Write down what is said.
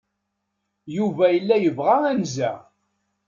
Yuba yella yebɣa anza.